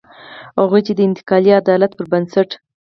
هغوی چې د انتقالي عدالت پر بنسټ.